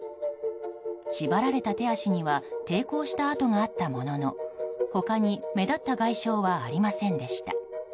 縛られた手足には抵抗した痕があったものの他に目立った外傷はありませんでした。